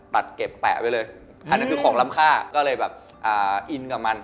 เก็บแปะไว้เลยอันนั้นคือของล้ำค่าก็เลยแบบอ่าอินกับมัน